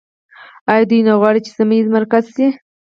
آیا دوی نه غواړي چې سیمه ییز مرکز شي؟